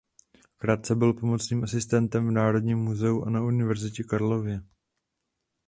Krátce byl pomocným asistentem v Národním muzeu a na Univerzitě Karlově.